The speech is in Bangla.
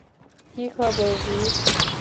কী খবর, রীড?